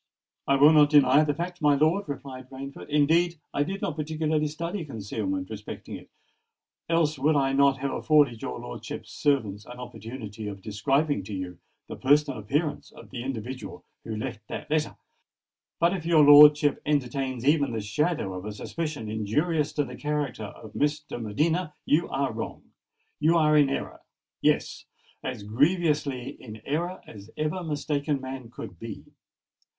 "I will not deny the fact, my lord," replied Rainford. "Indeed, I did not particularly study concealment respecting it—else would I not have afforded your lordship's servants an opportunity of describing to you the personal appearance of the individual who left that letter. But if your lordship entertains even the shadow of a suspicion injurious to the character of Miss de Medina, you are wrong—you are in error!—yes—as grievously in error as ever mistaken man could be.